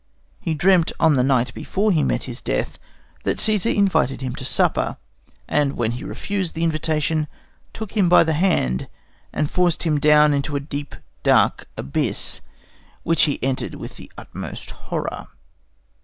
He dreamt, on the night before he met his death, that Cæsar invited him to supper, and when he refused the invitation, took him by the hand and forced him down into a deep, dark abyss, which he entered with the utmost horror.